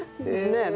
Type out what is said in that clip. でね。